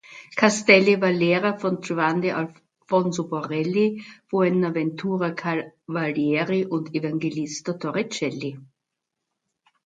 Castelli war Lehrer von Giovanni Alfonso Borelli, Bonaventura Cavalieri und Evangelista Torricelli.